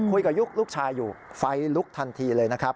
ยุคลูกชายอยู่ไฟลุกทันทีเลยนะครับ